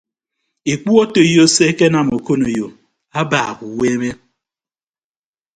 Ekpu otoiyo se ekenam okoneyo abaak uweeme.